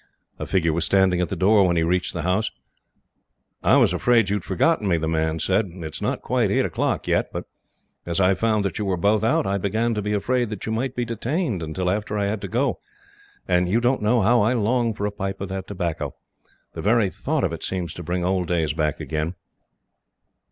A figure was standing at the door, when he reached the house. "I was afraid you had forgotten me," the man said. "It is not quite eight o'clock yet, but as I found that you were both out, I began to be afraid that you might be detained until after I had to go; and you don't know how I long for a pipe of that tobacco. The very thought of it seems to bring old days back again."